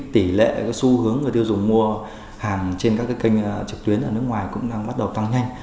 tỷ lệ xu hướng người tiêu dùng mua hàng trên các kênh trực tuyến ở nước ngoài cũng đang bắt đầu tăng nhanh